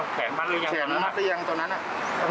แขนมัดได้ยังตรงนั้น